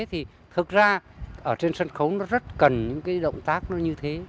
thì thực ra ở trên sân khấu nó rất cần những cái động tác nó như thế